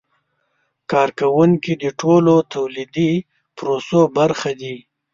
کارکوونکي د ټولو تولیدي پروسو برخه دي.